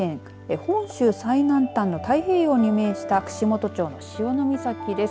本州最南端の太平洋に面した串本町の潮岬です。